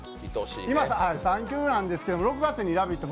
今産休なんですけれども、６月に「ラヴィット！」